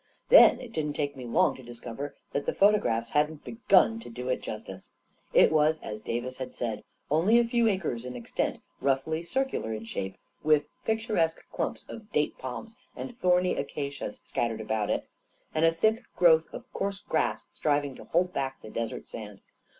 Then it didn't take me long to discover that the photo graphs hadn't begun to do it justice. It was, as Davis had said, only a few acres in extent, roughly circular in shape, with picturesque clumps of date palms and thorny acacias scattered about it, and a thick growth of coarse grass striving to hold back the desert sand.